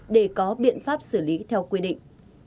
để có biện pháp xử lý theo quy định